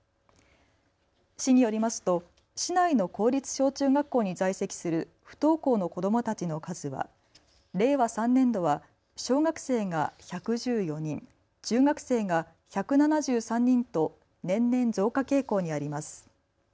市によりますと市内の公立小中学校に在籍する不登校の子どもたちの数は令和３年度は小学生が１１４人、中学生が１７３人と年々増加傾向にあります。